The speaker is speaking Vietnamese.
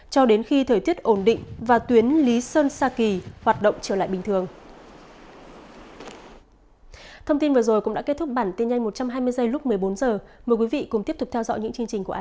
cho đến khi thời tiết ổn định và tuyến lý sơn sa kỳ hoạt động trở lại bình thường